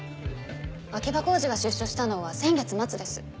秋葉浩二が出所したのは先月末です。